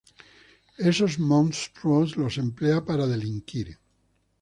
Esos monstruos los emplea para delinquir.